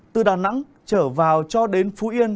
từ đà nẵng trở vào cho đến phú yên